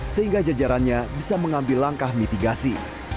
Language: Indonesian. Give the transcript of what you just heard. sehingga jajarannya bisa mengambil langkah mitigasi